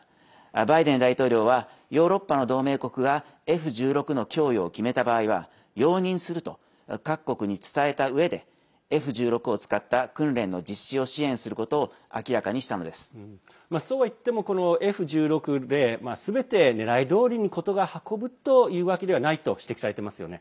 バイデン大統領はヨーロッパの同盟国がＦ１６の供与を決めた場合は容認すると各国に伝えたうえでＦ１６を使った訓練の実施を支援することをそうはいってもＦ１６ですべて、狙いどおりに、事が運ぶわけではないというふうに指摘されていますよね。